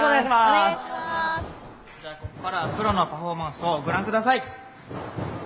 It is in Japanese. ここからはプロのパフォーマンスをご覧ください。